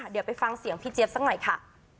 เดี๋ยวไปฟังเสียงพี่เจี๊ยบสักหน่อยค่ะ